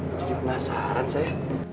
jadi penasaran saya